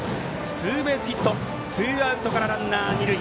ツーベースヒットツーアウトからランナー二塁。